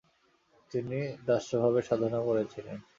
তিনি দাস্যভাবে সাধনা করেছিলেন।